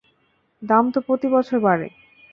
দাম তো প্রতি বছর বাড়ে।